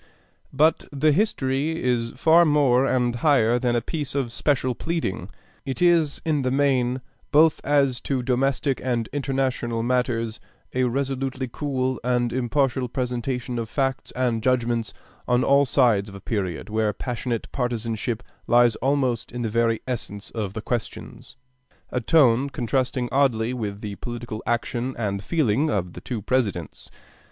But the 'History' is far more and higher than a piece of special pleading. It is in the main, both as to domestic and international matters, a resolutely cool and impartial presentation of facts and judgments on all sides of a period where passionate partisanship lies almost in the very essence of the questions a tone contrasting oddly with the political action and feeling of the two Presidents.